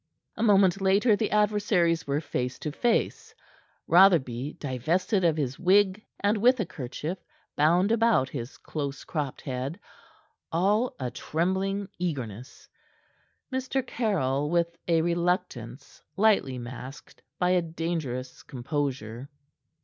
A moment later the adversaries were face to face Rotherby, divested of his wig and with a kerchief bound about his close cropped head, all a trembling eagerness; Mr. Caryll with a reluctance lightly masked by a dangerous composure.